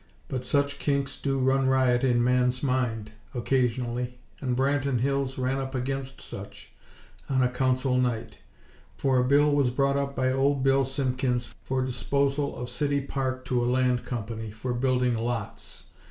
But such kinks do run riot in Man's mind, occasionally, and Branton Hills ran up against such, on a Council night; for a bill was brought up by Old Bill Simpkins for disposal of City Park to a land company, for building lots!